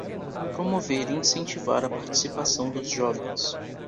Promover e incentivar a participação dos jovens.